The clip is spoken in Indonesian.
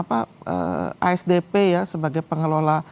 apa asdp ya sebagai pengelola